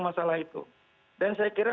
masalah itu dan saya kira